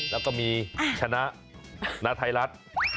แล้วก็มีชนะณไทยรัฐ